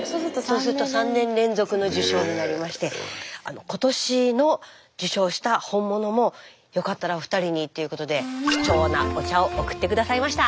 そうすると３年連続の受賞になりまして今年の受賞した本物もよかったらお二人にということで貴重なお茶を送って下さいました！